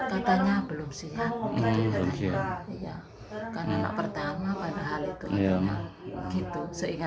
karena anak pertama padahal itu